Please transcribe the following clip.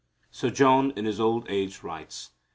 So John in his old age writes.